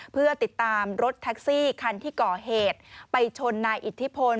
เพื่อติดตามรถแท็กซี่คันที่ก่อเหตุไปชนนายอิทธิพล